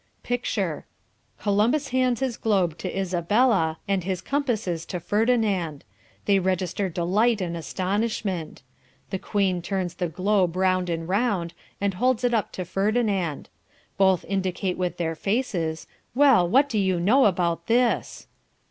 Picture. Columbus hands his globe to Isabella and his compasses to Ferdinand. They register delight and astonishment. The Queen turns the globe round and round and holds it up to Ferdinand. Both indicate with their faces, well what do you know about this.